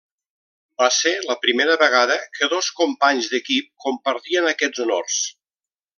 Va ser la primera vegada que dos companys d'equip compartien aquests honors.